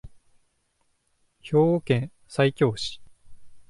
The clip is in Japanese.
兵庫県西脇市